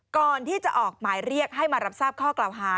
ก่อนที่จะออกหมายเรียกให้มารับทราบข้อกล่าวหา